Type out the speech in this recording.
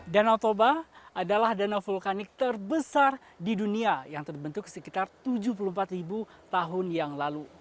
danau toba adalah danau vulkanik terbesar di dunia yang terbentuk sekitar tujuh puluh empat tahun yang lalu